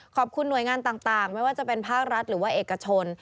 ขอบคุณหน่วยงานต่างไม่ว่าจะเป็นภาครัฐหรือว่าเอกชน